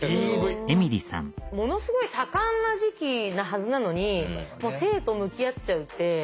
ものすごい多感な時期なはずなのにもう生と向き合っちゃうって。